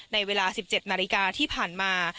ในเวลา๑๗นาฬิกาที่ผ่านมา